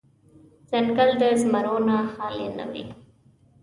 ځنګل د زمرو نه خالې نه وي.